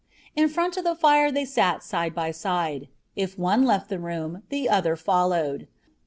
In front of the fire they sat side by side. If one left the room the other followed.